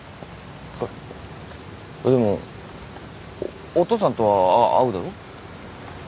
あっでもおっお父さんとはあっ会うだろ？